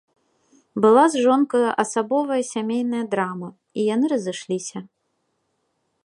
Была з жонкаю асабовая сямейная драма, і яны разышліся.